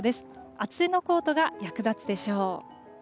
厚手のコートが役立つでしょう。